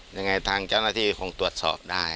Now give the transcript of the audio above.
ยังไงทางเจ้าหน้าที่คงตรวจสอบได้